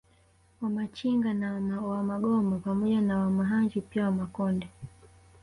Wamachinga na Wamagoma pamoja na Wamahanji pia Wamakonde